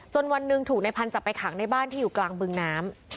วันหนึ่งถูกในพันธุ์จับไปขังในบ้านที่อยู่กลางบึงน้ำ